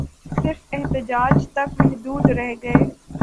صرف احتجاج تک محدود رہ گئے